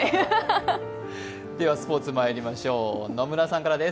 では、スポーツまいりましょう。